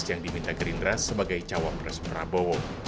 yang diminta gerindra sebagai cawapres prabowo